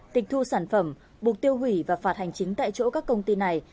tịch thu sản phẩm buộc tiêu hủy và phạt hành chính tại chỗ các công ty này